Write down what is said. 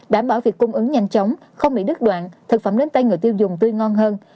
đảm bảo việc cung ứng nhanh chóng không bị đứt đoạn thực phẩm đến tay người tiêu dùng tươi ngon hơn